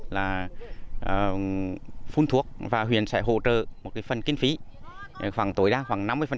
là phun thuốc và huyện sẽ hỗ trợ một phần kiên phí khoảng tối đa khoảng năm mươi